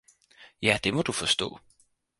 Ja, det må du forstå!